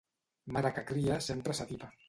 Mare que cria sempre s'atipa.